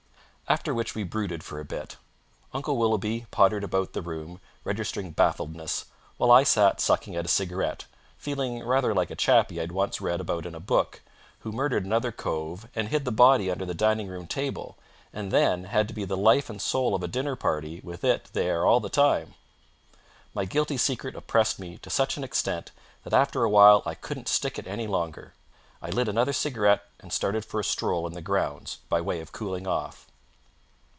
After which we brooded for a bit. Uncle Willoughby pottered about the room, registering baffledness, while I sat sucking at a cigarette, feeling rather like a chappie I'd once read about in a book, who murdered another cove and hid the body under the dining room table, and then had to be the life and soul of a dinner party, with it there all the time. My guilty secret oppressed me to such an extent that after a while I couldn't stick it any longer. I lit another cigarette and started for a stroll in the grounds, by way of cooling off.